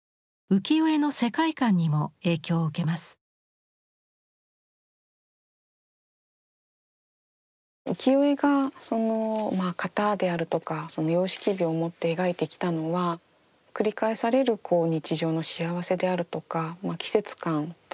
浮世絵が型であるとか様式美を持って描いてきたのは繰り返される日常の幸せであるとか季節感といった世界だったと思います。